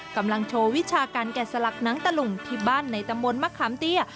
กำลังโชว์วิชาการแกะสลักหนังตะลุงที่บ้านในตำบลมะขามเตี้ย